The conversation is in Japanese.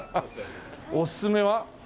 おすすめは？